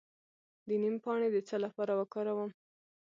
د نیم پاڼې د څه لپاره وکاروم؟